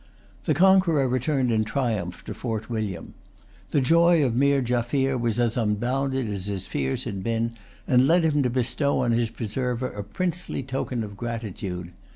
The conqueror returned in triumph to Fort William. The joy of Meer Jaffier was as unbounded as his fears had been, and led him to bestow on his preserver a princely token of gratitude.